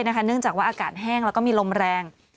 เนื่องจากว่าอากาศแห้งแล้วก็มีลมแรง